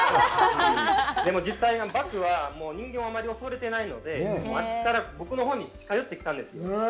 でも実際、バクは、人間をあまり恐れてないので、僕のほうに近寄ってきたんです。